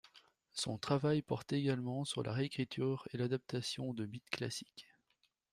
Son travail porte également sur la réécriture et l’adaptation de mythes classiques.